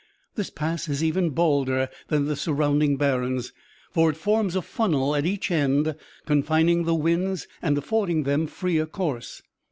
This pass is even balder than the surrounding barrens, for it forms a funnel at each end, confining the winds and affording them freer course.